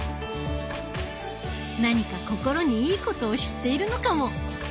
何か心にいいことを知っているのかも！